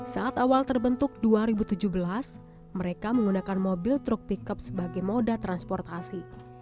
saat awal terbentuk dua ribu tujuh belas mereka menggunakan mobil truk pickup sebagai moda transportasi